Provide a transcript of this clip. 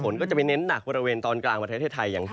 ฝนก็จะไปเน้นหนักบริเวณตอนกลางประเทศไทย